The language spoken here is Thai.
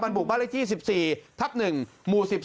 บรรบุบรรยาที่๑๔ทับ๑หมู่๑๓